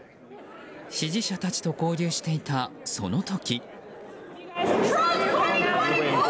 支持者たちと交流していたその時。